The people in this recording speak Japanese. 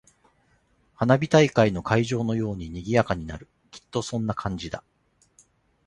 花火大会の会場のように賑やかになる。きっとそんな感じだ。